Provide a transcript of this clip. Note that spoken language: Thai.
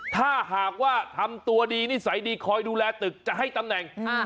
ถ้าหากว่าทำตัวดีนิสัยดีคอยดูแลตึกจะให้ตำแหน่ง